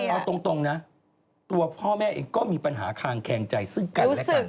เอาตรงนะตัวพ่อแม่เองก็มีปัญหาคางแคงใจซึ่งกันและกัน